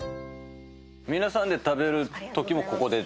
皆さんで食べるときもここで？